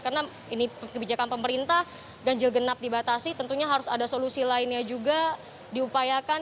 karena ini kebijakan pemerintah ganjil genap dibatasi tentunya harus ada solusi lainnya juga diupayakan